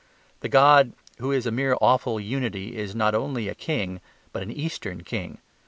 The god who is a mere awful unity is not only a king but an Eastern king.